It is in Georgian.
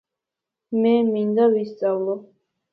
მე მინდა ვისწავლო